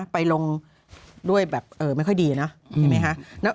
ไปลงด้วยแบบไม่ค่อยดีนะใช่ไหมคะ